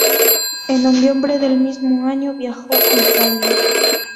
En noviembre del mismo año viajó a Italia.